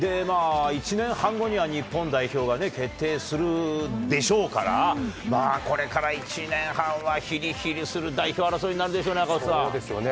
１年半後には日本代表が決定するでしょうから、これから１年半はひりひりする代表争いになるでしょうね、赤星さそうですよね。